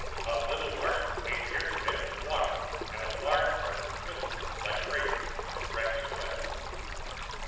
A little Martian came near the edge of the water and a larger Martian whistled like crazy and dragged it away.